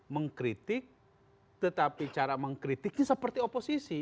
mengkritik tetapi cara mengkritiknya seperti oposisi